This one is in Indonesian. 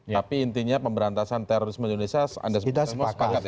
tapi intinya pemberantasan terorisme indonesia anda sebut sama sepakat ya